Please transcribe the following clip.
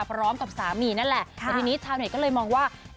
พร้อมกับสามีเนี่ยแหละที่นี้เช้าเน็ตเลยมองว่า